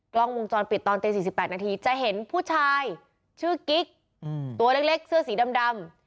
กล้องวงจรปิดตอนตี๔๘นาทีจะเห็นผู้ชายชื่อกิ๊กตัวเล็กเสื้อสีดำ